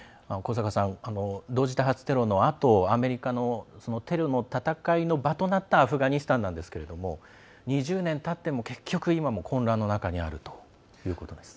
同時多発テロのあとアメリカのテロの戦いの場となったアフガニスタンなんですが２０年たっても結局、今も混乱の中にあるということです。